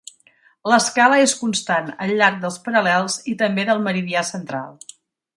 L'escala és constant al llarg dels paral·lels i també del meridià central.